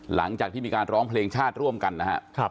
หลังจากที่มีการร้องเพลงชาติร่วมกันนะครับ